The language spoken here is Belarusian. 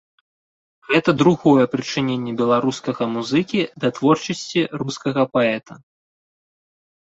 Гэта другое прычыненне беларускага музыкі да творчасці рускага паэта.